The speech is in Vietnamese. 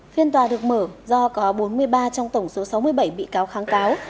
phiên tòa được mở do có bốn mươi ba trong tổng số sáu mươi bảy bị cáo kháng cáo